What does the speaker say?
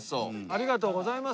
ありがとうございます。